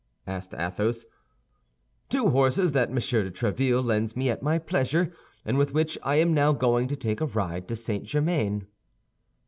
asked Athos. "Two horses that Monsieur de Tréville lends me at my pleasure, and with which I am now going to take a ride to St. Germain."